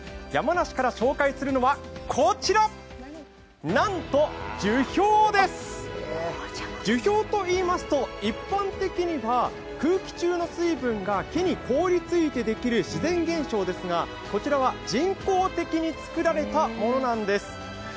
山梨から紹介するのは、こちらなんと樹氷です樹氷といいますと一般的には空気中の水分が木に凍りついてできる自然現象ですがこちらは人工的に作られたものなんです。